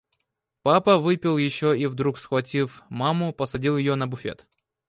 Папа выпил еще и вдруг, схватив маму, посадил ее на буфет.